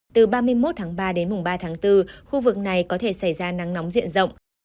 từ ba mươi một tháng ba đến mùng ba tháng bốn khu vực này có thể xảy ra nắng nóng diện rộng